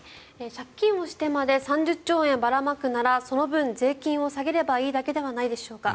借金をしてまで３０兆円ばらまくならその分、税金を下げればいいだけではないでしょうか。